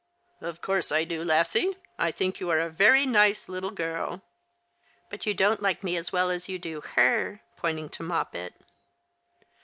" Of course I do, Lassie. I think you are a very nice little sirl." 126 The Christmas Hirelings. "But you don't like me as well as you do her," pointing to Moppet.